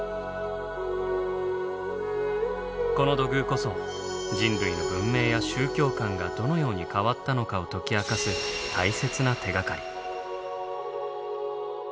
この土偶こそ人類の文明や宗教観がどのように変わったのかを解き明かす大切な手がかり。